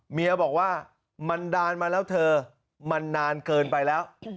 เมียบอกว่ามันดานมาแล้วเธอมันนานเกินไปแล้ว